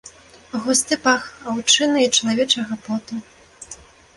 Густы пах аўчыны і чалавечага поту.